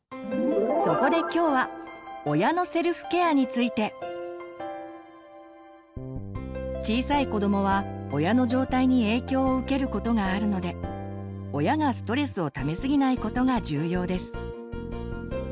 そこで今日は小さい子どもは親の状態に影響を受けることがあるので親がストレスをためすぎないことが重要です。